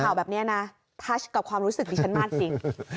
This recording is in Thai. ข่าวแบบนี้นะทัชกับความรู้สึกดิฉันมากจริง